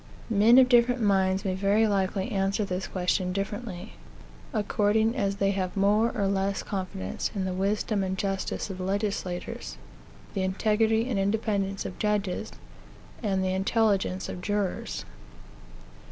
Men of different minds may very likely answer this question differently, according as they have more or less confidence in the wisdom and justice of legislators, the integrity and independence of judges, and the intelligence of jurors.